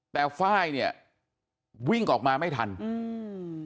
แต่ไฟล์เนี้ยวิ่งออกมาไม่ทันอืม